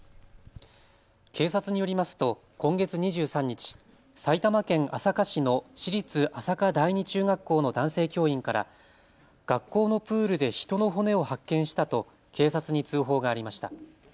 警察によりますと今月２３日、埼玉県朝霞市の市立朝霞第二中学校の男性教員から学校のプールで人の骨を発見したと警察に通報がありました。